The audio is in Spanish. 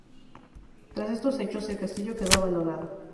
Tras estos hechos el castillo quedó abandonado.